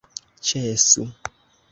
Ĉesu!